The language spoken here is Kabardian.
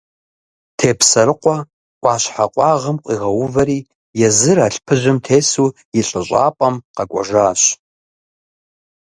Тепсэрыкъуэ Ӏуащхьэ къуагъым къуигъэувэри езыр алъпыжьым тесу и лӀыщӀапӀэм къэкӀуэжащ.